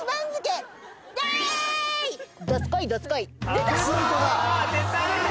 出た！